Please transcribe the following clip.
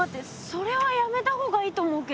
それはやめた方がいいと思うけど。